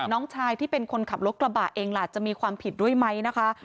น้องชายที่เป็นคนขับรถกระบะเองล่ะจะมีความผิดด้วยไหมนะคะ